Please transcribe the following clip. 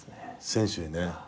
選手にね。